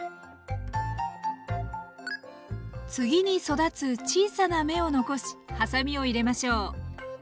次に育つ小さな芽を残しはさみを入れましょう。